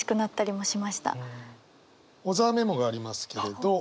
小沢メモがありますけれど。